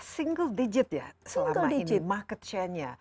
single digit ya selama ini market chainnya